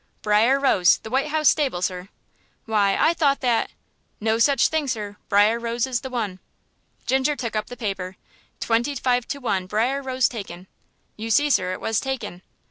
"Briar Rose, the White House stable, sir." "Why, I thought that " "No such thing, sir; Briar Rose's the one." Ginger took up the paper. "Twenty five to one Briar Rose taken." "You see, sir, it was taken."